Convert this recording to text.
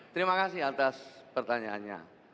terima kasih atas pertanyaannya